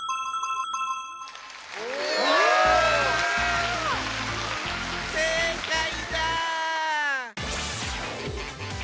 うわせいかいだ。